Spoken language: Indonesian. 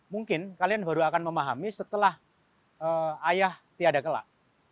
mungkin kalian baru akan memahami setelah ayah tiada kelak